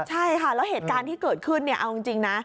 ใช่ค่ะแล้วเหตุการณ์ที่เกิดขึ้นเนี่ยเอาจริงนะ